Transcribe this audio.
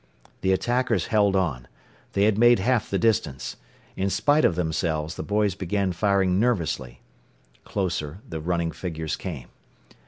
The attackers held on. They had made half the distance. In spite of themselves, the boys began firing nervously. Closer the running figures came.